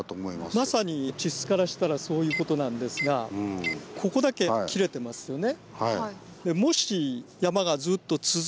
まさに地質からしたらそういうことなんですがここだけ切れてますよね。